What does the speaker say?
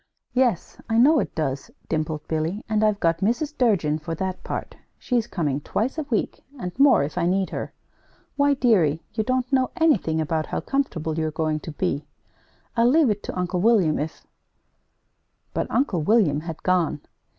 "Yes, I know it does," dimpled Billy, "and I've got Mrs. Durgin for that part. She's coming twice a week, and more, if I need her. Why, dearie, you don't know anything about how comfortable you're going to be! I'll leave it to Uncle William if " But Uncle William had gone.